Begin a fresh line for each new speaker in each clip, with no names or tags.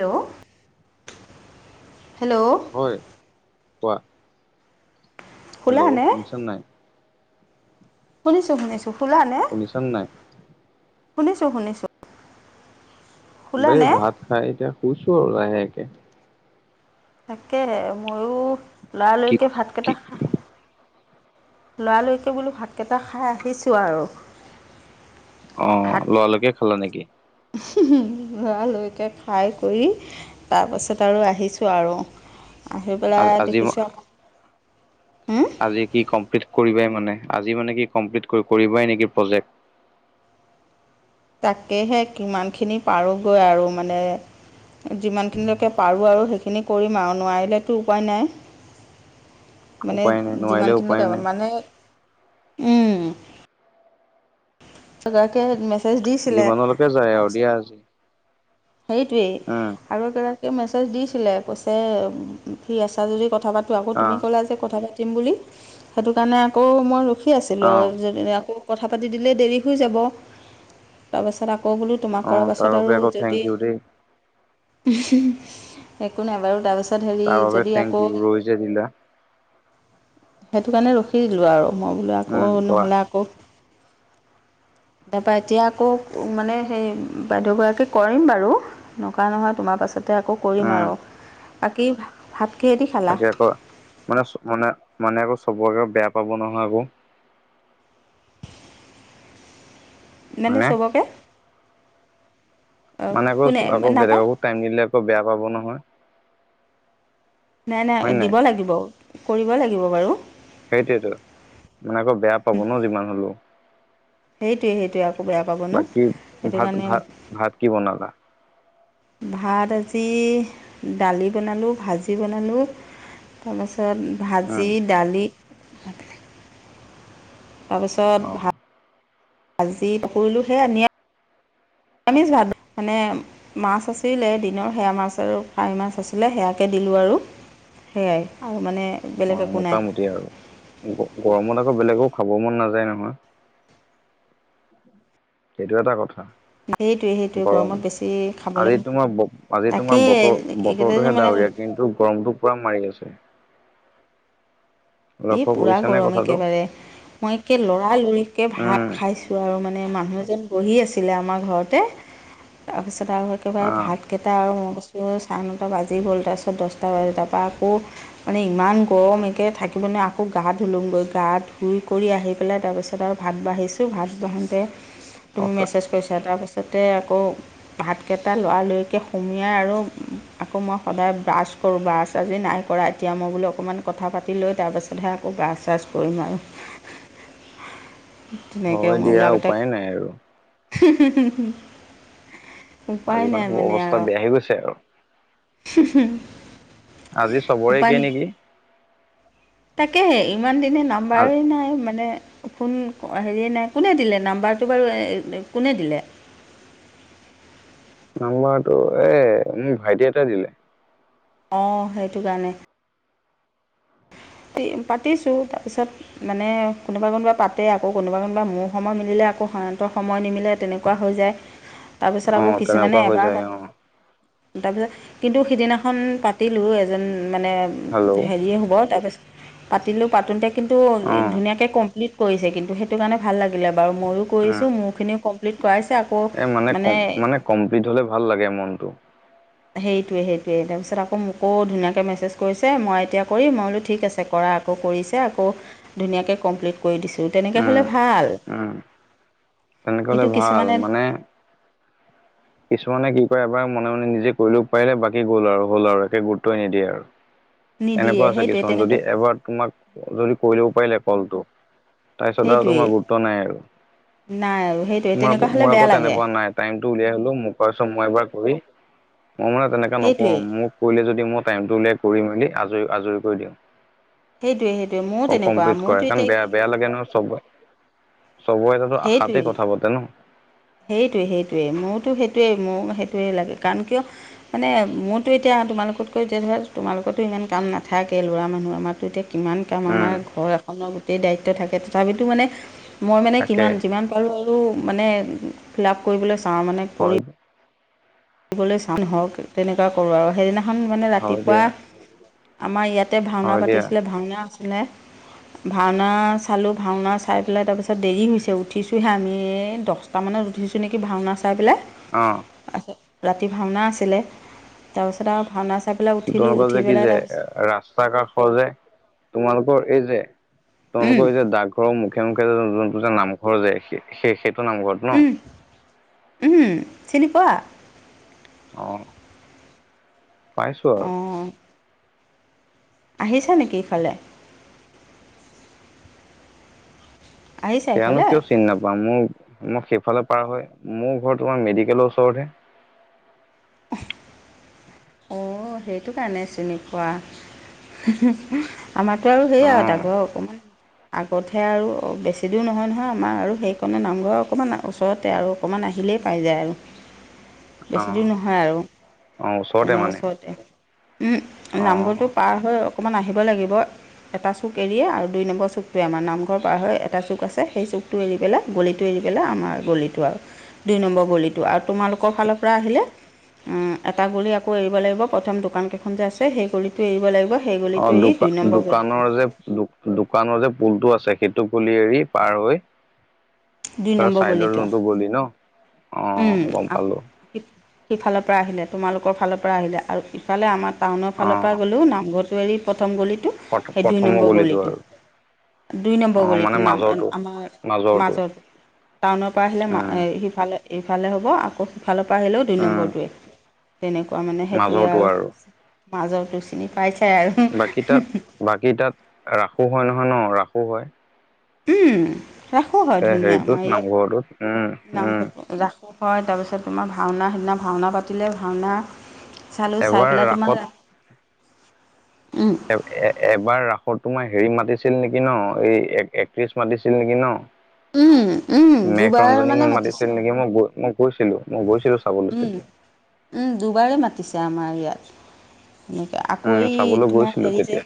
Hello! Hello!
হয় কোৱা। Hello!
শুলানে
শুনিছা নে নাই?
শুনিছো শুনিছো। শুলা নে?
শুনিছা নে নাই?
শুনেছো শুনেছো।
এই ভাত খাই এতিয়া শুইছো আৰু লাহেকে।
তাকে মইয়ো
কি
লৰালৰিকে ভাত
কি
কেইটা খা লৰালৈকে বোলো ভাতকেইটা খাই আহিছোঁ আৰু।
অ' লৰালৈকে খালা নেকি?
লৰালৈকে খাই কৰি তাৰপিছত আৰু আহিছো আৰু। আহি
আ
পেলাই
আজি
দেখিছো আক' হো?
আজি কি কমপ্লিট কৰিবাই মানে, আজি মানে কি কমপ্লিট কৰি কৰিবাই নেকি প্ৰজেক্ট?
তাকেহে কিমানখিনি পাৰোঁগৈ আৰু মানে যিমানখিনিলৈকে পাৰোঁ আৰু সেইখিনি কৰিম আৰু নোৱাৰিলেতো উপায় নাই। মানে
উপায় নাই নোৱাৰিলে উপায়
যিমানখিনিলৈকে
নাই
মানে, উম। এগৰাকীয়ে হে মেছেজ দিছিলে,
যিমানলৈকে যায় আৰু
তাৰপিছত
দিয়া আজি
সেইটোৱেই
উম
আৰু এ গৰাকীয়ে মেছেজ দিছিলে কৈছে ফ্ৰী আছা যদি কথা পাতো, আকৌ
অ
তুমি ক'লা যে কথা পাতিম বুলি সেইটো কাৰণে আকৌ মই ৰখি আছিলোঁ
অ
আৰু যদি আকৌ কথা পাতি দিলে দেৰি হৈ যাব। তাৰপাছত আ আকৌ বোলো তোমাক
অ
কৰাৰ
তাৰ
পাছত
বাবে
আৰু
আকৌ থেংক
যদি
ইউ দেই
একো নাই বাৰু তাৰপিছত হেৰি
তাৰ বাবে
যদি
থেংক
আকৌ
ইউ ৰৈ যে দিলা
সেইটো কাৰণে ৰখি দিলো আৰু মই বোলো আকৌ
উম কোৱা
নহ'লে আকৌ তাৰপৰা এতিয়া আকৌ মানে সেই বাইদেউ গৰাকীক কৰিম বাৰু। নকৰা নহয় তোমাৰ পাছতে আকৌ কৰিম
উম
আৰু। বাকী ভাত কিহে দি খালা?
তাকে আকৌ মানে মানে মানে আকৌ চবকে বেয়া পাব নহয় আকৌ।
মানে চবকে? অ,
মানে আকৌ
কোনে
আকৌ
নাপায়
বেলেগকো টাইম নিদিলে আকৌ বেয়া পাব নহয়।
নাই নাই দিব লাগিব, কৰিব লাগিব বাৰু।
সেইটোৱেটো, মানে আকৌ বেয়া পাব ন যিমান হলেও।
সেইটোৱে সেইটোৱে আকৌ বে
বাকী ভাত ভাত ভাত কি বনালা?
ভাত আজি দালি বনালোঁ ভাজি বনালোঁ। তাৰপাছত
উম
ভাজি দালি তাৰপিছত
অ
ভ ভাজি কৰিলোঁ সেইয়াই নি ৰামিষ ভাত মানে মাছ আছিলে দিনৰ সেয়া মাছ আৰু ফ্ৰাই মাছ আছিলে সেয়াকে দিলো আৰু। সেয়াই আৰু মানে
অ'
বেলেগ একো নাই
মোটামুটি আৰু, গৰমত আকৌ বেলেগো খাব মন নাযায় নহয়। সেইটো এটা কথা।
সেইটোৱে সেইটোৱে
গৰম
গৰমত বেছি খাবলৈ
আজি তোমাৰ আজি তোমাৰ
তাকেই
বতৰ
এইকেইটা দিন
বতৰটোহে
মানে
ডাৱৰীয়া কিন্তু গৰমটো পুৰা মাৰি আছে।
এই
লক্ষ্য
পুৰা
কৰিছানে
গৰম
কথাটো
একেবাৰে মই একে লৰালৰিকে
উম
ভাত খাইছো আৰু মানে মানুহ জন বহি আছিলে আমাৰ ঘৰতে। তাৰপিছত আৰু একেবাৰে ভাতকেইটা আৰু মই কৈছো য়ে চাৰে নটা বাজি গ'ল তাৰপিছত দহটা বাজি তাৰপৰা আকৌ মানে ইমান গৰম একে থা মানে আকৌ গা ধুলোঁগৈ গা ধুই কৰি আহি পেলাই তাৰপিছত আৰু ভাত বাঢ়িছোঁ ভাত বাঢ়োতে
অ
তুমি মেছেজ কৰিছা তাৰপিছতে আকৌ ভাতকেইটা লৰালৰিকে সুমিয়াই আৰু আকৌ মই সদায় ব্ৰাছ কৰোঁ ব্ৰাছ আজি নাই কৰা এতিয়া মই বোলো অকণমান কথা পাতি লৈ তাৰপাছতহে আকৌ ব্ৰাছ চাছ কৰিম আৰু। তেনেকে
হয়
মই বোলো
দিয়া
আগতে
উপায়ে নাই আৰু
উপাই নাই মানে আৰু।
আহি গৈছে আৰু।
হিহি
আজি চবৰে একে নেকি?
তাকেহে ইমান দিনে
আজি
নাম্বাৰেই নাই মানে ফোন হেৰিয়ে নাই, কোনে দিলে নাম্বাৰটো বাৰু কোনে দিলে?
নাম্বাৰটো এ মোৰ ভাইটি এটাই দিলে।
অঁ সেইটো কাৰণে। তি পাতিছোঁ তাৰপিছত মানে কোনোবা কোনোবা পাতে আকৌ, কোনোবা কোনোবা মোৰ সময় মিলিলে আকৌ সিহঁতৰ সময় নিমিলে তেনেকুৱা হৈ যায়। তাৰপিছত
অ
আকৌ
তেনেকুৱা
কিছুমানে
হৈ
এবাৰ
যায় অ
তাৰপিছত কিন্তু সিদিনাখন পাতিলোঁ এজন মানে
হেল্ল' অ
হেৰিয়ে হ'ব তাৰপিছত পাতিলোঁ পাতোঁতে কিন্তু
উম
ধুনীয়াকৈ কমপ্লিট কৰিছে কিন্তু সেইটো কাৰণে ভাল লাগিলে বাৰু, মইয়ো কৰিছোঁ মোৰখিনিও কম প্লিট কৰাইছে আকৌ মানে
কমপ্লিট হ'লে ভাল লাগে মনটো।
সেইটোৱে সেইটোৱে তাৰপিছত আকৌ মোকো ধুনীয়াকৈ মেছেজ কৰিছে মই এতিয়া কৰিম, মই বোলো ঠিক আছে কৰা। আকৌ কৰিছে আকৌ ধুনীয়াকে কমপ্লিট কৰি দিছোঁ তেনেকে
উম
হ'লে ভাল।
উম তেনেকে হলে
কিন্তু
ভাল
কিছুমানে
মানে, কিছুমানে কি কৰে এবাৰ মনে মনে নিজে কৰি ল'ব পাৰিলে বাকী গ'ল আৰু হ'ল আৰু একে গুৰুত্বই নিদিয়ে আৰু।
নিদিয়ে
এনেকুৱা আছে
সেইটোৱে
কিছুমান যদি
তেনেকুৱা
এবাৰ তোমাক যদি কৰি ল'ব পাৰিলে কলটো তাৰপিছত আৰু
সেইটোৱেই
তোমাৰ গুৰুত্ব নাই আৰু,
নাই আৰু সেইটোৱে
মোৰ আকৌ
তেনেকুৱা হ'লে
মোৰ আকৌ
বেয়া লাগে
তেনেকুৱা নাই। টাইমটো উলিয়াই হলো মোক কৰা চোন মই এবাৰ কৰি, মই মানে তেনেকা নকৰো
সেইটোৱেই
মোক কৰিলে যদি মই টাইমটো উলিয়াই কৰি মেলি আজৰি আজৰি কৰি দিওঁ।
সেইটোৱে সেইটোৱে ময়ো
অ
তেনেকুৱা
কমপ্লিট
মোৰতো
কৰায় কাৰণ বেয়া বেয়া
এতিয়া
লাগে ন চব চবৰেটো আশাতে
সেইটোৱেই
কথা পাতে ন।
সেইটোৱে সেইটোৱে মইয়োটো সেইটোৱে মোৰ সেইটোৱেই লাগে কাৰণ কিয়, মানে মোৰতো এতিয়া তোমালোকতকৈ যে ধৰা তোমালোকতো ইমান কাম নাথাকে ল'ৰা মানুহ আমাৰতো এতিয়া কিমান কাম
উম
আমাৰ ঘৰ এখনৰ গোটেই দায়িত্ব থাকে তথাপিতো মানে মই মানে
তাকে
কিমান যিমান পাৰো আৰু মানে ফিল আপ কৰিবলৈ চাওঁ মানে।
হয়।
কৰিবলৈ চাওঁ হওক তেনেকুৱা কৰো আৰু সেইদিনা খন মানে
হয়
ৰাতিপুৱা
দিয়া
আমাৰ ইয়াতে ভাওঁনা
হয় দিয়া
পাতিছিলে ভাওঁনা আছিলে ভাওঁনা চালো ভাওঁনা চাই পেলাই তাৰপিছত দেৰি হৈছে উঠিছোহে আমি দহ তামানানে উঠিছোঁ নেকি ভাওনা চাই পেলাই।
অঁ।
ৰাতি ভাওনা আছিলে তাৰপিছত আৰু ভাওনাচ
তোনক যে কি যে ৰাস সজে তোমালোকৰ এই যে তোমালোকৰ এই যে দাগ ঘৰৰ মুখে মুখে যে যোনটো যে নামঘৰ যায় সেই সেইটো নামঘৰত ন
উম চিনি পোৱা।
অঁ পাইছো আৰু।
অঁ আহিছা নেকি ইফালে। আহিছা
সেয়ানো
ইফালে
কিয় চিনি নাপাম মোৰ মই সেইফালে পাৰ হয় মোৰ ঘৰ তোমাৰ মেডিকেলৰ ওচৰতহে।
[unintelligible] অঁ সেইটো কাৰণে চিনি পোৱা। আমাতো আৰু সেইয়া
অ
ডাগৰ অকমান। আগতহে আৰু বেছি দূৰ নহয় নহয় আমাৰ আৰু সেইকণে নামঘৰ অকণমান ওচৰতে আৰু। অকমান আহিলেই পাই যায় আৰু বেছি
অ
দূৰ ন হয় আৰু
অ ওচৰতে
তেনে
মানে
ওচৰতে
অ
নামঘৰটো উমহু পাৰ হৈ অকমান আহিব লাগিব। এটা চুক এৰিয়ে আৰু দুই নম্বৰ চুকটোৱে আমাৰ নামঘৰ পাৰ হৈ এটা চুক আছে সেই চুকট- টো এৰি পেলাই গলিটো এৰি পেলাই আমাৰ গলিটো আৰু। দুই নম্বৰ বলিটো আৰু তোমালোকৰ ফালৰ পৰা আহিলে উম এটা গলি আকৌ এৰিব লাগিব প্ৰথম দোকান কেইখনতে আছে সেই গলিত টো এৰিব লাগিব সেই গলিটো এৰি দুই নম্বৰ গলিটো।
দোক দোকানৰ যে পুলটো আছে সেইটো পুলি এৰি পাৰ হৈ
দুই
তাৰ
নম্বৰ
চাইদৰ
গলিটো
যোনটো বলি ন
উম,
অঁ গম পালো।
সিফালৰ পৰা আহিলে তোমালোকৰ ফালৰ পৰা আহিলে আৰু ইফালে আমাৰ টাউনৰ
অ
ফালৰ পৰা গ'লও নামঘত টো এৰি প্ৰথম গলিটো
প্ৰ
সেই দুই
প্ৰথমৰ
নম্বৰ গলিটো।
আৰু
দুই
অ
নম্বৰ গলি
মানে
নাম
মাজৰটো
আমাৰ মাজৰটো। টাউনৰ পৰা আহিলে
উম
সিফালে ইফালে হ'ব আকৌ সিফালৰ পৰা আহিলেও দুই
উম
নম্বৰটোৱে। তেনেকুৱা মানে সেইটোৱে আৰু মাজৰটো চিনি পাই চায়
বাকী তাত
আৰু।
বাকী তাত ৰাসো হয় নহয় ন ৰাসো হয়।
উম ৰাখো হয়
এ
ধুনীয়া
হেৰিটোত
আমাৰ
নামঘৰটোত উম
ইয়াত
উম
নাংঘ ৰাখ পু হয় তাৰপিছত তোমাৰ ভাওনা সিদিনা ভাওনা পাতিলে ভাওনা চালোঁ চাই
এবাৰ
পেলাই
ৰাসত
তোমাৰ উম'
এ এবাৰ ৰাসত তোমাৰ হেৰি মাতিছিল নেকি ন এই এক একট্ৰিছ মাতিছিল নেকি ন।
উম, উম,
মেক
দুবাৰ
ৰঞ্জনী
মানে
মই
মাতিছে।
মাতিছিল নেকি মই গৈ মই গৈছিলো মই গৈছিলো চাবলৈ
উম,
তেতিয়া।
উম দুবাৰে মাতিছে আমাৰ ইয়াত। এনেকা আকৌ
উম
এই
চাবলৈ
তোমাৰ
গৈছিলো
হেৰি যে
তেতিয়া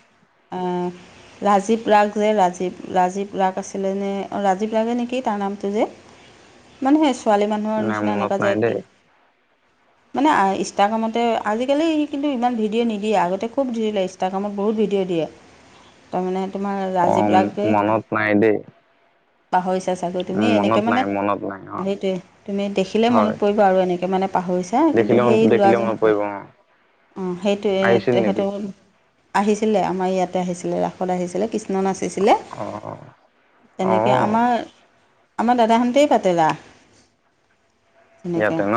আহ। ৰাজীৱ ৰাগ যে ৰাজীৱ ৰাজীৱ ৰাগ আছিলে নে অ ৰাজীৱ ৰাগে নেকি তাৰ নামটো যে। মানে সে ছোৱালী মানুহৰ
নাই
নিচিনা
মনত
এনেকা যে
নাই দেই
একটিং। মানে ইষ্টাগ্ৰামতে আজিকালি কিন্তু ইমান ভিডিঅ' নিদিয়ে আগতে খুব জুৰিলাইচ ইটা কামত বহুত ভিডিঅ' দিয়ে তাৰমানে তোমাৰ
অ
ৰাজীৱ ৰাগ দে
মনত নাই দেই
পাহৰিছা চাগৈ
উম
তুমি
মনত
এনেকে
নাই
মানে
মনত নাই হয়
সেইটো ৱে তুমি দেখ লে মনত
হয়
পৰিব আৰু এনেকে মানে পাহৰিছা কিন্তু
দেখিলে
সেই
দেখিলে মনত
লৰাজনে
পৰিব অ
অঁ সেইটোৱে
আহিছিল
তেখেত
নেকি
আহিছিলে আমাৰ ইয়াতে আহিছিলে ৰাসত আহিছিলে কিছ- নানাচিছিলে
অ
[inaudible]
অ
তেনেকে আমাৰ আমাৰ দাদাহঁতেই পাতেলা [unintelligible]
ইয়াতে ন?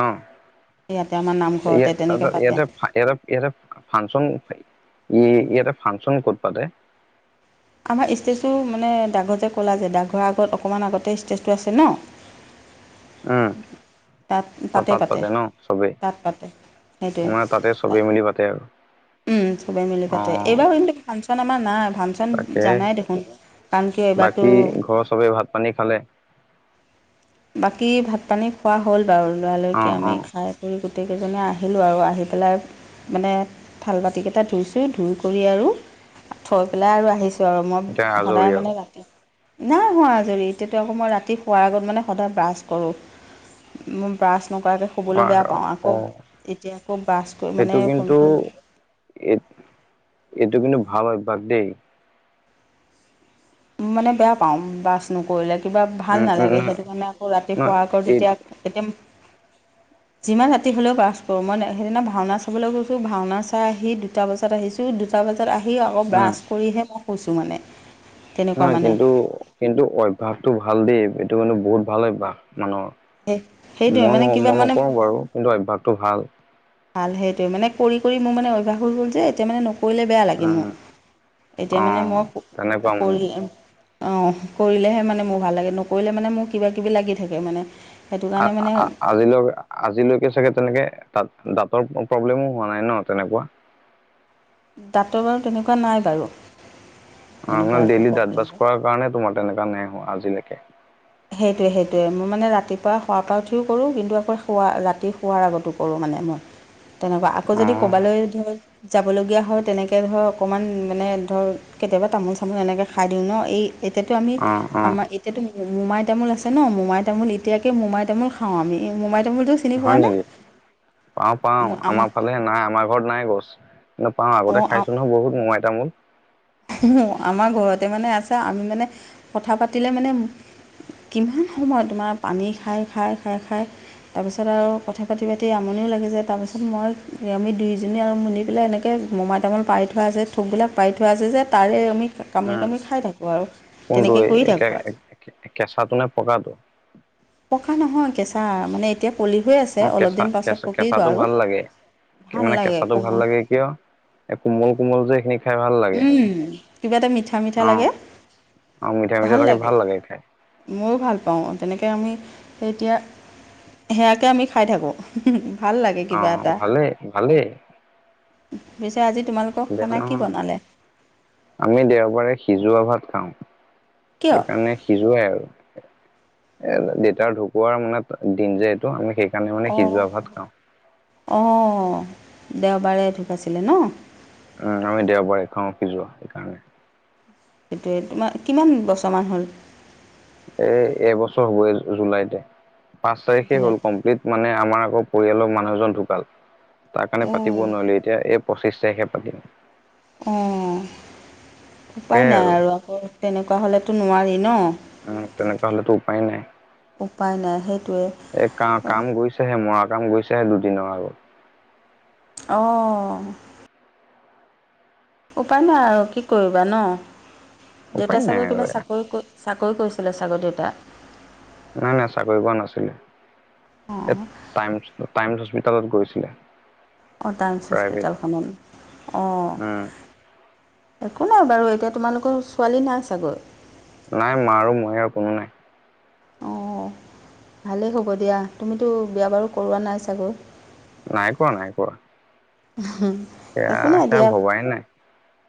ইয়াতে আমাৰ নামঘৰতে
ইয়াত
তেনেকৈ
[unintelligible]
পাতে
ইয়াতে-ইয়াতে ইয়াতে ফাংচন [unintelligible] ই ইয়াতে ফাংচন ক'ত পাতে?
আমাৰ ষ্টেজটো মানে ডাকঘৰ যে ক'লা যে ডাকঘৰ আগত অকণমান আগতে ষ্টেজটো আছে ন? [unintelligible]
উম! [inaudible]
তাত
ত
তাতে
তাত পাতে ন চবেই।
তাত পাতে
আমাৰ তাতে
সেইটোৱে
চবেই মিলি পাতে আৰু। [unintelligible]
উম, চবে মিলি
অ
পাতে। এইবাৰ কিন্তু ফাংচন আমাৰ নাই ফাংচন [unintelligible] [unintelligible] ন
তাকে
জানাই দেখোন কাৰণ কিয় এইবাৰতো
বাকী ঘৰৰ চবেই ভাত-পানী খালে? [unintelligible]
বাকী ভাত-পানী খোৱা হ'ল বাৰু,
অ
লৰালৰিকে আমি
অ
খাই [unintelligible] আমি গোটেইকেইজনে আহিলোঁ আৰু আহি পেলাই [unintelligible] মানে থাল-বাতিকেইটা ধুইছোঁ, ধুই কৰি আৰু থৈ পেলাই আৰু আহিছোঁ। [unintelligible] [unintelligible] আৰু মই
এতিয়া
সদায়
আজৰি
মানে
আৰু
ৰাতি [inaudible] নাই হোৱা আজৰি এতিয়াতো আকৌ মই ৰাতি শোৱাৰ আগত মানে সদায় ব্ৰাছ কৰোঁ। মোৰ ব্ৰাছ নকৰাকৈ [unintelligible] শোৱলৈ
আমাৰ
বেয়া পাওঁ,
অ
আকৌ এতিয়া আকৌ ব্ৰাছ কৰি
এইটো
মানে
কিন্তু
ফোন-চোন [unintelligible]
[unintelligible] এইটো কিন্তু ভাল অভ্যাস দেই।
মানে বেয়া পাওঁ ব্ৰাছ নকৰিলে কিবা ভাল
উম উম
নালাগে
নহয়
সেইটো কাৰণে আকৌ ৰাতি
নহয়
শোৱাৰ আগত
এই
যেতিয়া [unintelligible] সতিম [unintelligible] যিমান ৰাতি হ'লেও ব্ৰাছ কৰোঁ। মই সেইদিনা ভাওনা চাবলৈ গৈছোঁ, ভাওনা চাই আহি দুটা বজাত আহিছোঁ। [unintelligible] সেই দুটা বজাত আহি আকৌ
উম
ব্ৰাছ কৰিহে মই শুইছোঁ মানে। [inaudible] তেনেকুৱা
নহয়
মানে
কিন্তু-কিন্তু অভ্যাসটো ভাল দেই এইটো কিন্তু বহুত ভাল অভ্যাস মানুহৰ।
সেই
[unintelligible]
সেইটোৱে
মই ন
মানে
[unintelligible]
কিবা
মই
মানে
নকৰোঁ বাৰু কিন্তু অভ্যাসটো ভাল।
ভাল সেইটোৱেই মানে কৰি-কৰি মোৰ মানে অভ্যাস হৈ গ'ল যে এতিয়া মানে [unintelligible] নকৰিলে বেয়া লাগে মোৰ।
উম
এতিয়া
অ
মানে মই
তেনেকুৱা মানে
কৰি [unintelligible] অঁ কৰিলেহে মানে মোৰ ভাল লাগে। নকৰিলে মানে মোৰ কিবাকিবি লাগি থাকে মানে। [unintelligible]
আ
মানে
[unintelligible] আজিলৈকে-আজিলৈকে চাগে তেনেকে দাঁত-দাঁতৰ প্ৰব্লেমো হোৱা নাই ন তেনেকুৱা? [unintelligible]
দাঁতৰ বাৰু তেনেকুৱা নাই বাৰু। [inaudible]
অঁ
তেনেকুৱা
[unintelligible]
একো
ডেইলি দাঁত
প্ৰব্লেম
ব্ৰাছ
নাই।
কৰা কাৰণে তোমাৰ তেনেকা নাই আজিলৈকে।
সেইটোৱেই-সেইটোৱেই মই মানে ৰাতিপুৱা শোৱাৰ পৰা উঠিও কৰোঁ কিন্তু আকৌ শোৱা ৰাতি শোৱাৰ আগতো কৰোঁ মানে মই। [unintelligible] তেনেকুৱা আকৌ
অ
যদি কৰবালৈ ধৰ [unintelligible] যাবলগীয়া হয় তেনেকৈ ধৰ অকণমান মানে ধৰ কেতিয়াবা তামোল-চামোল এনেকৈ খাই দিওঁ ন, এই [unintelligible] এতিয়াতো আমি
অ অ
আমাৰ এতিয়াতো [unintelligible] মোমাই তামোল আছে ন, মোমাই তামোল এতিয়াকে মোমাই তামোল খাওঁ আমি। মোমাই তামোলটো [unintelligible]
হয় নেকি? পাওঁ-পাওঁ আমাৰ ফালে [unintelligible] [unintelligible] নাই আমাৰ ঘৰত নাই গছ। কিন্তু পাওঁ আগতে
অঁ
খাইছোঁ নহয় বহুত মোমাই তামোল। [unintelligible]
[unintelligible] আমাৰ ঘৰতে মানে আছে আমি মানে কথা পাতিলে মানে কিমান সময় তোমাৰ পানী খাই-খাই-খাই-খাই [unintelligible] তাৰপিছত আৰু কথা পাতি-পাতি আমনিও লাগি যায়। তাৰপিছত মই আমি দুইজনী আৰু মিলি পেলাই এনেকৈ [unintelligible] [unintelligible] মোমাই তামোল পাৰি থোৱা আছে থোকবিলাক, পাৰি থোৱা আছে যে তাৰে আমি
উম,
কামুৰি-কামুৰি খাই থাকোঁ আৰু
কোনটো
তেনেকৈ কৰি থাকোঁ আৰু। [unintelligible]
কেঁচাটো নে পকাটো? [unintelligible]
পকা নহয় কেঁচা মানে [unintelligible] এতিয়া কলি হৈ আছে,
অ
অলপ
কেঁচা
দিন পাছত
কেঁচা
পকিব
কেঁচাটো
আৰু
ভাল লাগে
ভাল
মানে
লাগে
কেঁচাটো ভাল
কোমল। [unintelligible]
লাগে কিয় এ কোমল কোমল যে সেনি
উম কিবা এটা মিঠা মিঠা
অ
লাগে
অ মিঠা মিঠা
ভাল লাগে
খাই
ময়ো ভাল পাওঁ তেনেকৈ আমি এতিয়া সেয়াকে আমি খাই থাকোঁ উম ভাল লাগে
অ
কিবা এটা
ভালেই ভালেই
পিছে আজি তোমালোক
[unintelligible] আমি দেওবাৰে সিজোৱা ভাত খাওঁ
কিয়
সেইকাৰণে সিজোৱাই আৰু এ দেতাৰ ঢুকুৱাৰ মানে দিন যে এইটো আমি শেষ সেইকাৰণে মানে
অঁ
সিজোৱা ভ খাওঁ
অঁ দেওবাৰে ঢোকাই ছিলে ন
উম আমি দেওবাৰে খাওঁ সিজুৱা যোৱা সেইকাৰণে
সেইটোৱে তোমাৰ কিমান বছৰমান হ'ল
এ এবছৰ হবই জুলাইতে পাঁচ তাৰিখে
অজিলাত
হ'ল কমপ্লিট মানে আমাৰ আকৌ পৰিয়ালৰ মানুহ এজন ঢুকাল তাৰ কাৰণে পাতিব
অঁ
নোৱাৰিলো এতিয়া এই পঁচিছ তাৰিখে পাতিম
অ উপায় নাই আৰু আকৌ তেনেকুৱা হ'লেতো নোৱাৰি ন
উ তেনেককা হলেতো উপায় নাই
উপায় নাই সেইটোৱে
এ ক কাম গৈছো হে মৰা কাম গৈছে দুদিনৰ আগত
অ উপায় নাই আৰু কি কৰিবা ন
উপায়
দেউতা
নাই
চাকৰি
আৰু
কিবা
এয়া
চাকৰি কৰি চাকৰি কৰিছিলে চাগৈ দেউতা
নাই নাই চাকৰি পোৱা নাছিলে
অঁ
টাইম হস্পিতালত গৈছিলে
অঁ টাইমছ
প্ৰাইভেট
হস্পিটালখনত অঁ
উম
একো নাই বাৰু এতিয়া তোমালোকৰ ছোৱালী নাই চাগৈ
নাই মা আৰু মই হে আৰু কোনো নাই
অঁ ভালেই হ'ব দিয়া তুমিতো বিয়া বাৰু কৰোৱা নাই চাগৈ
নাই কৰোৱা নাই কোৰোৱা
হা
সেয়া সেয়া ভবাই নাই